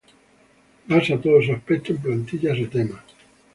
Basa todo su aspecto en plantillas o temas.